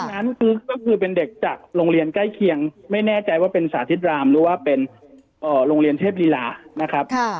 นั้นคือเป็นเด็กจากโรงเรียนใกล้เคียงไม่แน่ใจว่าเป็นสาธิตรามหรือว่าเป็นโรงเรียนเทพลีลานะครับ